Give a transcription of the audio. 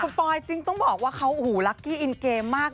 คุณปอยจึงต้องบอกว่าเขาโอ้โหรักกี้อินเกมมาก